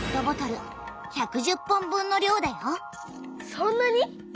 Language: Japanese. そんなに？